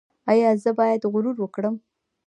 ایا زه باید غرور وکړم؟